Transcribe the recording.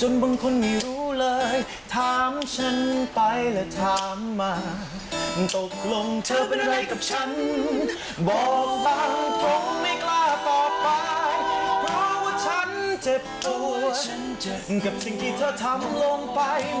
ฉันเบิกบอกว่าฉันเองขอเลือกเดินทางไหม